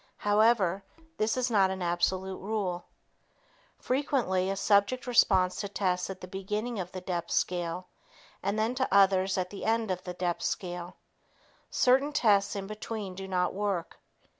However, this is not an absolute rule. Frequently, a subject responds to tests at the beginning of the depth scale and then to others at the end of the depth scale. Certain tests in between do not work.